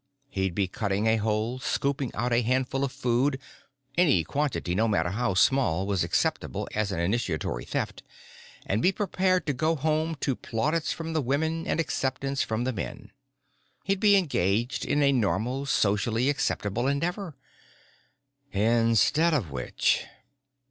He'd be cutting a hole, scooping out a handful of food any quantity, no matter how small, was acceptable on an initiatory Theft and be preparing to go home to plaudits from the women and acceptance from the men. He'd be engaged in a normal, socially acceptable endeavor. Instead of which....